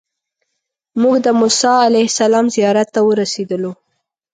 موږ د موسی علیه السلام زیارت ته ورسېدلو.